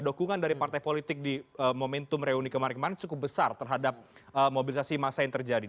dukungan dari partai politik di momentum reuni kemarin kemarin cukup besar terhadap mobilisasi massa yang terjadi